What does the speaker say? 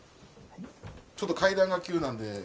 ちょっと階段が急なんで。